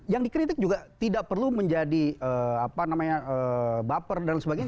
yang dikritik juga tidak perlu menjadi baper dan sebagainya